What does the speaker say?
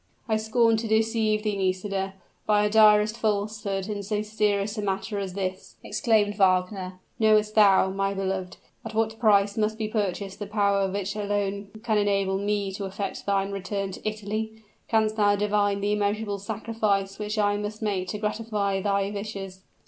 "I scorn to deceive thee, Nisida, by a direct falsehood in so serious a matter as this," exclaimed Wagner. "Knowest thou, my beloved, at what price must be purchased the power which alone can enable me to effect thy return to Italy? canst thou divine the immeasurable sacrifice which I must make to gratify thy wishes?"